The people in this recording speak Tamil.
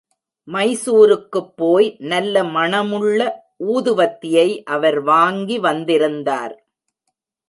மைசூருக்குப் போய் நல்ல மணமுள்ள ஊதுவத்தியை அவர் வாங்கி வந்திருந்தார்.